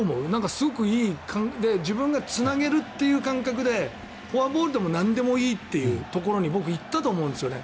すごくいい感じで自分がつなげるという感覚でフォアボールでもなんでもいいというところに僕、行ったと思うんですよね。